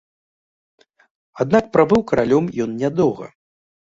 Аднак прабыў каралём ён нядоўга.